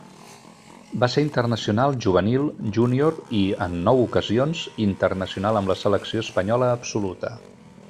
Va ser internacional juvenil, júnior i, en nou ocasions, internacional amb la Selecció espanyola absoluta.